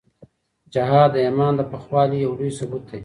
جهاد د ایمان د پخوالي یو لوی ثبوت دی.